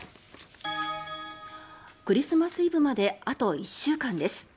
クリスマスイブまであと１週間です。